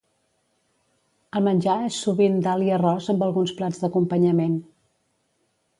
El menjar és sovint dal i arròs amb alguns plats d'acompanyament.